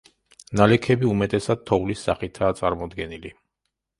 ნალექები უმეტესად თოვლის სახითაა წარმოდგენილი.